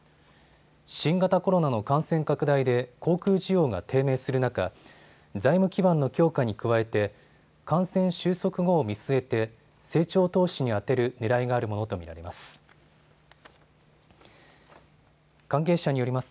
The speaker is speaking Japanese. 新型コロナの感染拡大で航空需要が低迷する中、財務基盤の強化に加えて感染収束後を見据えて成長投資に充てるねらいがあるものと見られます。